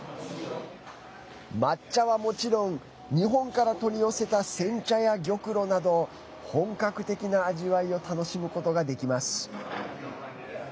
抹茶はもちろん日本から取り寄せた煎茶や玉露など本格的な味わいを楽しむことができます。